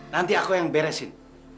nanti aku yang beresin